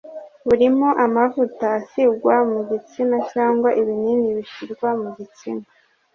burimo amavuta asigwa mu gitsina cyangwa ibinini bishyirwa mu gitsina